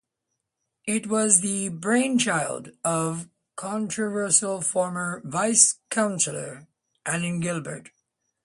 It was the brainchild of controversial former Vice-Chancellor Alan Gilbert.